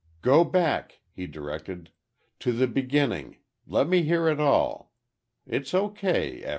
"Go back," he directed, "to the beginning. Let me hear it all. It's O.